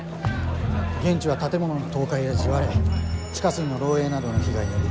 現地は建物の倒壊や地割れ地下水の漏えいなどの被害が出ています。